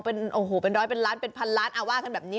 เป็นร้อยเป็นล้านเป็นพันล้านว่ากันแบบนี้